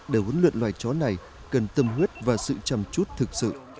để huấn luyện loài chó này cần tâm huyết và sự chăm chút thực sự